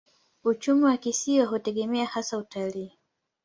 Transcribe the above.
Uchumi wa kisiwa hutegemea hasa utalii.